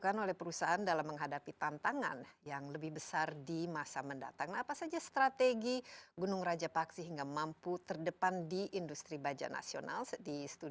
alhamdulillah puji tuhan sehat selalu